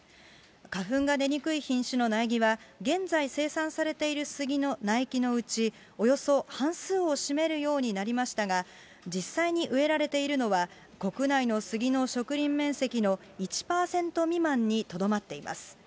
花粉が出にくい品種の苗木は、現在生産されているスギの苗木のうち、およそ半数を占めるようになりましたが、実際に植えられているのは、国内のスギの植林面積の１％未満にとどまっています。